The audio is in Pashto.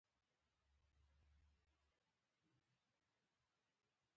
دغو پېښو له پېښو سره لږ ورته والی درلود.